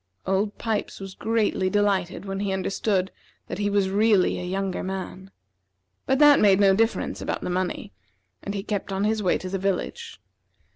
Old Pipes was greatly delighted when he understood that he was really a younger man; but that made no difference about the money, and he kept on his way to the village.